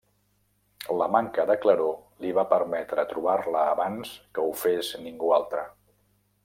La manca de claror li va permetre trobar-la abans que ho fes ningú altre.